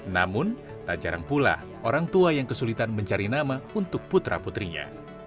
namun tak jarang pula orang tua yang kesulitan mencari nama untuk putra putrinya